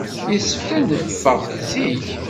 Yessefk ad neffeɣ zik.